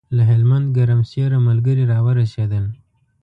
له هلمند ګرمسېره ملګري راورسېدل.